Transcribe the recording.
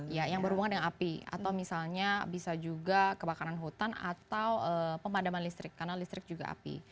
ya yang berhubungan dengan api atau misalnya bisa juga kebakaran hutan atau pemadaman listrik karena listrik juga api